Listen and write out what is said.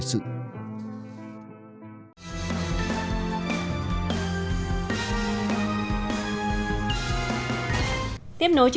tiếp nối chương trình